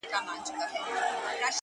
• ورته جوړ به د قامونو انجمن سي,